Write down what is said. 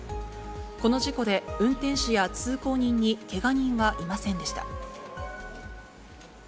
この事故で、運転手や通行人にけが人はいませんでした。